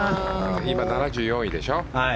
今、７４位でしょ。